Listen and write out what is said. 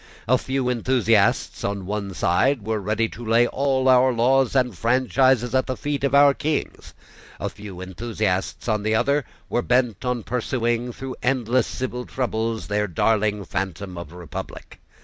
A few enthusiasts on one side were ready to lay all our laws and franchises at the feet of our Kings. A few enthusiasts on the other side were bent on pursuing, through endless civil troubles, their darling phantom of a republic.